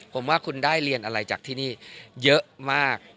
ผมว่าคุณได้เรียนอะไรจากที่นี่เยอะมาก